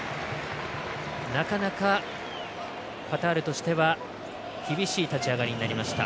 なかなか、カタールとしては厳しい立ち上がりになりました。